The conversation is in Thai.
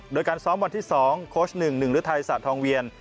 โดยการซ้อมวันที่๒โคช๑หรือไทยศาสตร์ทองเวียน